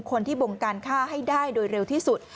คนที่บงการฆ่าให้ได้โดยเร็วที่สุด